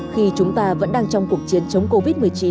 khi chúng ta vẫn đang trong cuộc chiến chống covid một mươi chín